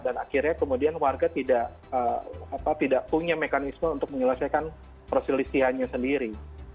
dan akhirnya kemudian warga tidak punya mekanisme untuk menyelesaikan perselisihannya sendiri